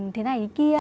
thế này thế kia